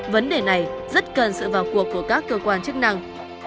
vấn đề này rất cần sự vào cuộc của các cơ quan chức năng